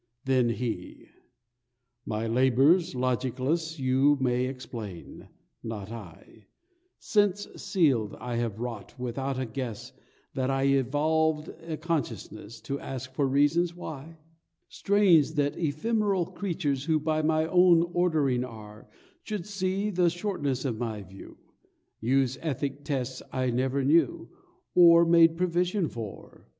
Then He: "My labours logicless You may explain; not I: Sense sealed I have wrought, without a guess That I evolved a Consciousness To ask for reasons why! "Strange, that ephemeral creatures who By my own ordering are, Should see the shortness of my view, Use ethic tests I never knew, Or made provision for!"